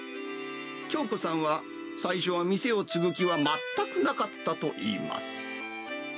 京子さんは、最初は店を継ぐ気は全くなかったといいます。